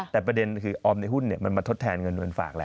แต่ประเด็นคือออมในหุ้นมันมาทดแทนเงินฝากแล้ว